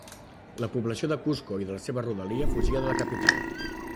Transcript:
La població de Cusco i de la seva rodalia fugia de la capital.